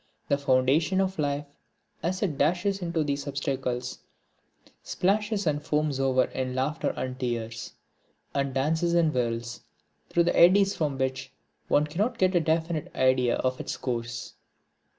The foundation of life, as it dashes into these obstacles, splashes and foams over in laughter and tears, and dances and whirls through eddies from which one cannot get a definite idea of its course.